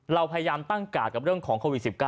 เราพยายามตั้งกาดกับเรื่องของโควิด๑๙